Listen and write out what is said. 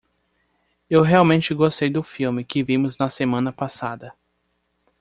Eu realmente gostei do filme que vimos na semana passada.